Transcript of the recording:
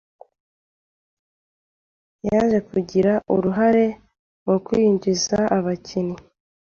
yaje kugira uruhare mu kwinjiza abakinnyi